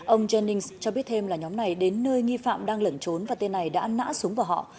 ông jennings cho biết thêm là nhóm này đến nơi nghi phạm đang lẩn trốn và tên này đã nã súng vào họ